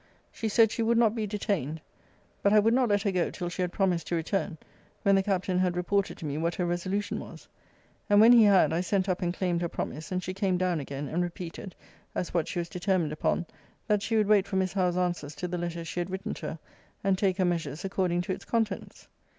She said she would not be detained. But I would not let her go till she had promised to return, when the Captain had reported to me what her resolution was. And when he had, I sent up and claimed her promise; and she came down again, and repeated (as what she was determined upon) that she would wait for Miss Howe's answers to the letter she had written to her, and take her measures according to its contents.